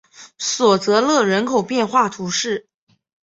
索泽勒人口变化图示